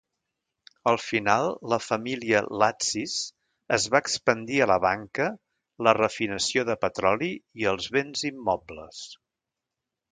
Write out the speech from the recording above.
Al final la família Latsis es va expandir a la banca, la refinació de petroli i els béns immobles.